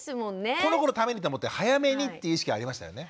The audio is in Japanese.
この子のためにと思って早めにっていう意識ありましたよね。